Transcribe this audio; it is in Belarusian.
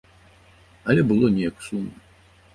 Але было неяк сумна.